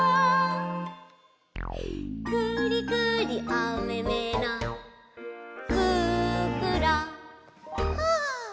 「くりくりおめめのふくろう」